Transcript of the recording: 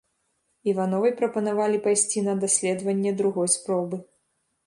Івановай прапанавалі пайсці на даследванне другой спробы.